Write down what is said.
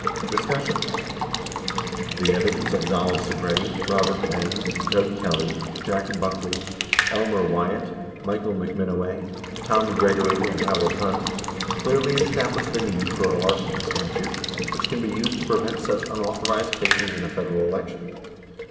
Discussion. The evidence of Donald Segretti, Robert Benz, Doug Kelly, Jack Buckley, Elmer Wyatt, Michael McMinoway, Tom 213 Gregory, and Howard Hunt clearly establish the need for a larceny statute which can be used to prevent such unauthorized takings in a Federal election.